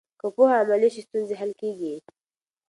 که پوهه عملي شي، ستونزې حل کېږي.